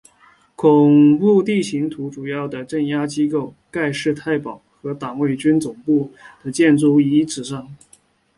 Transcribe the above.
恐怖地形图主要的镇压机构盖世太保和党卫军总部的建筑遗址上。